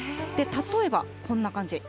例えばこんな感じ。